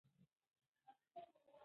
د وجدان غږ واورئ.